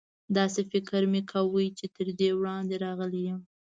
داسې فکر مې کاوه چې تر دې وړاندې راغلی یم.